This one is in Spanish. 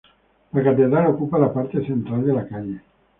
La catedral ocupa la parte central de la calle.